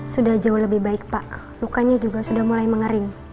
sudah jauh lebih baik pak lukanya juga sudah mulai mengering